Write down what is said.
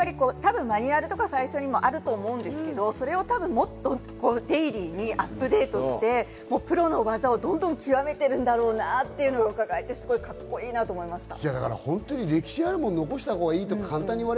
マニュアルとか最初にあると思うんですけど、それを多分、もっとデイリーにアップデートしてプロの技をどんどん極めてるんだろうなっていうのが窺えて、カッコいいなと思いました。